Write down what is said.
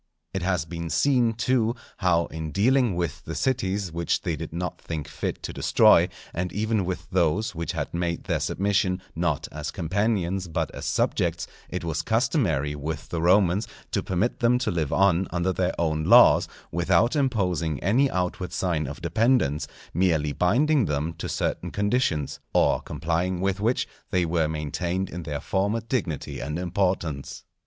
It has been seen, too how in dealing with the cities which they did not think fit to destroy, and even with those which had made their submission not as companions but as subjects, it was customary with the Romans to permit them to live on under their own laws, without imposing any outward sign of dependence, merely binding them to certain conditions, or complying with which they were maintained in their former dignity and importance.